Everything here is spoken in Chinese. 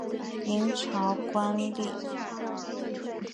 明朝官吏。